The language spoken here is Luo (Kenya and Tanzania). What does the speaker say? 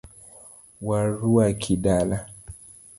Waruaki dala.